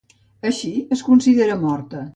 Així és considerada morta.